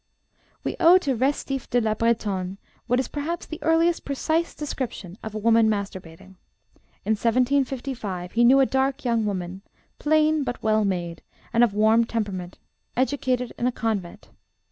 We owe to Restif de la Bretonne what is perhaps the earliest precise description of a woman masturbating. In 1755 he knew a dark young woman, plain but well made, and of warm temperament, educated in a convent.